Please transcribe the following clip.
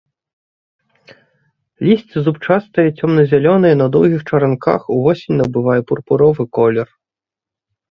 Лісце зубчастае, цёмна-зялёнае, на доўгіх чаранках, увосень набывае пурпуровы колер.